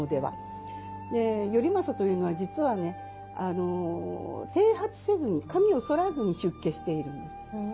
頼政というのは実はね剃髪せずに髪をそらずに出家しているんです。